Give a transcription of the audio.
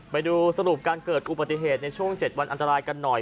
ไปดูสรุปการเกิดอุบัติเหตุในช่วง๗วันอันตรายกันหน่อย